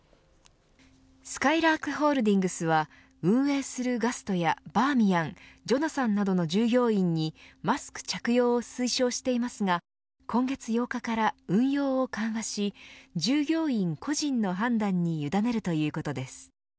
すかいらーくホールディングスは運営するガストやバーミヤンジョナサンなどの従業員にマスク着用を推奨していますが今月８日から運用を緩和し従業員個人の判断に委ねるということです。